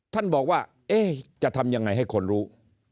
ท่านบอกว่าจะทำยังไงให้คนรู้